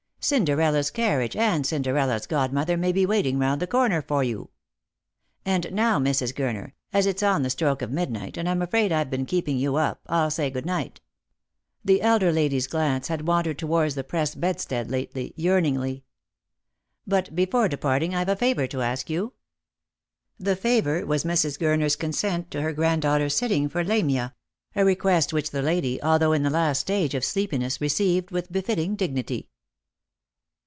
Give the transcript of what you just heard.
Cinderella's carriage and Cinderella's god mother may be waiting round the corner for you. And now, Mrs. Gurner, as it's on the stroke of midnight, and I'm afraid I've been keeping you up, I'll say good night." The elder lady's glance had wandered towards the press bedstead lately, yearn ingly. " But before departing I've a favour to ask you." The favour was Mrs. Gurner's consent to her granddaughter's sitting for Lamia; a request which the lady, although in the last stage of sleepiness, received with befitting dignity.